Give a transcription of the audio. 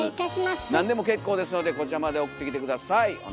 なんでも結構ですのでこちらまで送ってきて下さい。